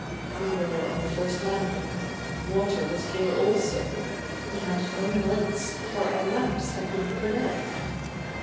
We were on the first landing. Water was here also. We had no lights, for our lamps had been put out.